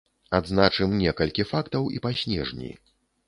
Адзначым некалькі фактаў і па снежні.